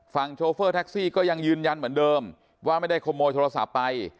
โชเฟอร์แท็กซี่ก็ยังยืนยันเหมือนเดิมว่าไม่ได้ขโมยโทรศัพท์ไป